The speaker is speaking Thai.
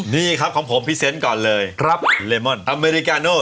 นี่ครับของผมพี่เซนต์ก่อนเลยครับเลมอนอเมริกาโน